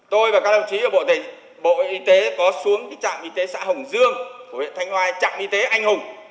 tôi và các đồng chí ở bộ y tế có xuống trạm y tế xã hồng dương của huyện thanh hoa trạm y tế anh hùng